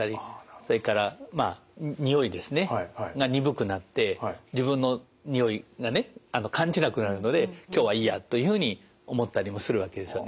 それからまあにおいですねが鈍くなって自分のにおいがね感じなくなるので今日はいいやというふうに思ったりもするわけですよね。